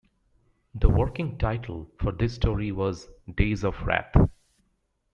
The working title for this story was "Days Of Wrath".